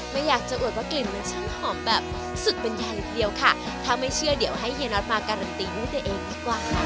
ไม่อยากจะอวดว่ากลิ่นมันช่างหอมแบบสุดเป็นทางทีเดียวค่ะถ้าไม่เชื่อเดี๋ยวให้เฮียน็อตมาการันตีด้วยตัวเองดีกว่าค่ะ